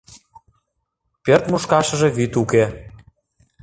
Пӧрт мушкашыже вӱд уке